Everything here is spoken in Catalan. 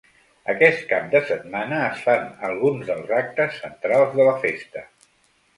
Aquest cap de setmana es fan alguns dels actes centrals de la festa.